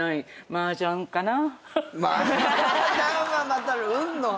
マージャンはまた運の。